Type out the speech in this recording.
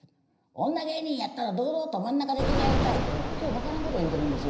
女芸人やったら堂々と真ん中で着替えんかい」って訳分からんこと言うてるんですよ。